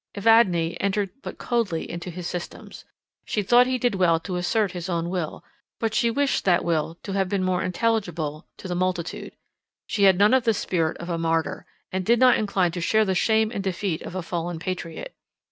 Evadne entered but coldly into his systems. She thought he did well to assert his own will, but she wished that will to have been more intelligible to the multitude. She had none of the spirit of a martyr, and did not incline to share the shame and defeat of a fallen patriot.